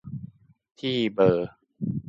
ที่เบอร์